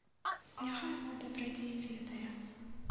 Няхай мой дабрадзей ведае.